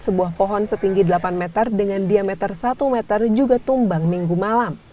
sebuah pohon setinggi delapan meter dengan diameter satu meter juga tumbang minggu malam